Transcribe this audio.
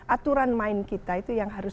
aturan main kita itu yang harus